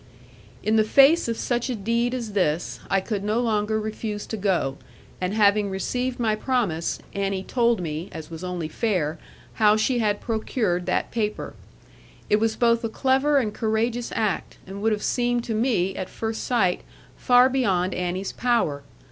In the face of such a deed as this, I could no longer refuse to go; and having received my promise, Annie told me (as was only fair) how she had procured that paper. It was both a clever and courageous act; and would have seemed to me, at first sight, far beyond Annie's power.